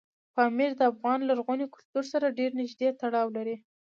پامیر د افغان لرغوني کلتور سره ډېر نږدې تړاو لري.